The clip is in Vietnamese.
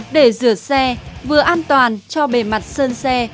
để rửa xe vừa an toàn cho bề mặt sơn xe